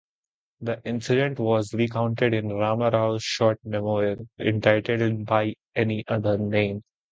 The incident was recounted in Rama Rau's short memoir entitled "By Any Other Name".